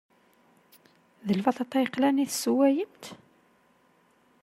D lbaṭaṭa yeqlan i tessewwayemt?